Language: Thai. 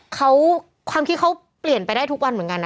เขาความคิดเขาเปลี่ยนไปได้ทุกวันเหมือนกันนะ